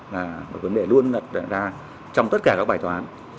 là một vấn đề luôn đặt ra trong tất cả các bài toán